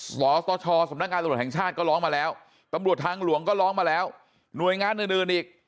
สสชสำนักงานตำรวจแห่งชาติก็ร้องมาแล้วตำรวจทางหลวงก็ร้องมาแล้วหน่วยงานอื่นอีก